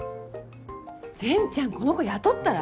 善ちゃんこの子雇ったら？